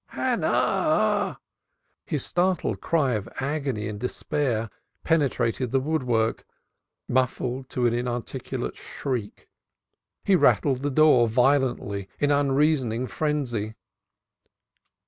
"Hannah!" His startled cry of agony and despair penetrated the woodwork, muffled to an inarticulate shriek. He rattled the door violently in unreasoning frenzy.